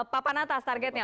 papan atas targetnya